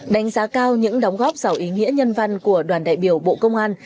đánh giá cao những đóng góp giàu ý nghĩa nhân văn của đoàn đại biểu bộ công an